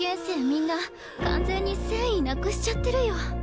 みんな完全に戦意なくしちゃってるよ。